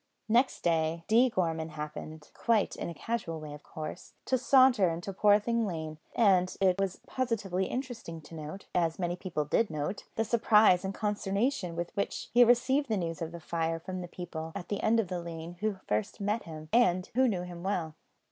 Next day, D. Gorman happened, quite in a casual way of course, to saunter into Poorthing Lane; and it was positively interesting to note as many people did note the surprise and consternation with which he received the news of the fire from the people at the end of the lane who first met him, and who knew him well.